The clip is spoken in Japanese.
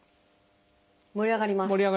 盛り上がりますね。